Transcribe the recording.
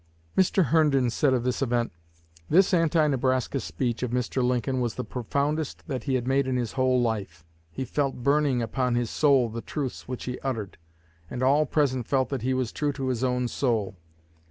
Mr. Herndon said of this event: "This anti Nebraska speech of Mr. Lincoln was the profoundest that he made in his whole life. He felt burning upon his soul the truths which he uttered, and all present felt that he was true to his own soul.